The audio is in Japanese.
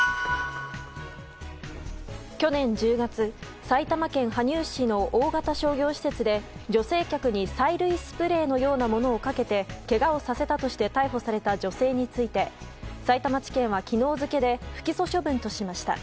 去年１０月、埼玉県羽生市の大型商業施設で女性客に催涙スプレーのようなものをかけてけがをさせたとして逮捕された女性についてさいたま地検は昨日付で不起訴処分としました。